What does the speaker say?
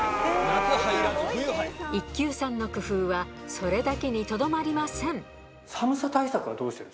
一級さんの工夫はそれだけにとどまりません